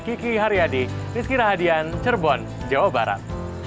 kiki haryadi rizky rahadian cerbon jawa barat